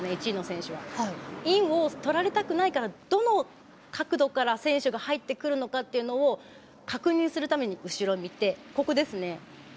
１位の選手はインを取られたくないからどの角度から選手が入ってくるのかというのを確認するために後ろを見てここですね。